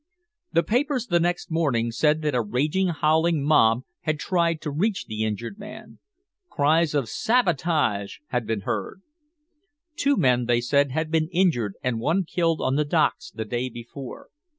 The papers the next morning said that a raging, howling mob had tried to reach the injured man. Cries of "Sabotage!" had been heard. Two men, they said, had been injured and one killed on the docks the day before.